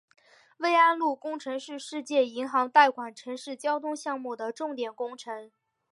槐安路工程是世界银行贷款城市交通项目的重点工程。